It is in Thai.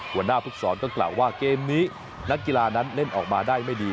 หัวหน้าภูกษรก็กล่าวว่าเกมนี้นักกีฬานั้นเล่นออกมาได้ไม่ดี